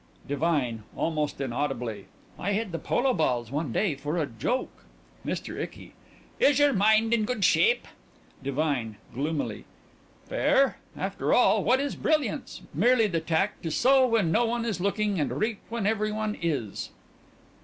DIVINE: (Almost inaudibly) I hid the polo balls one day for a joke. MR. ICKY: Is your mind in good shape? DIVINE: (Gloomily) Fair. After all what is brilliance? Merely the tact to sow when no one is looking and reap when every one is.